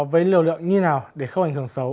với liều lượng như nào để không ảnh hưởng xấu